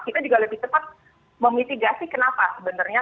kita juga lebih cepat memitigasi kenapa sebenarnya